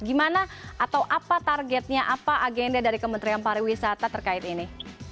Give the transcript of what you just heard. gimana atau apa targetnya apa agenda dari kementerian pariwisata terkait ini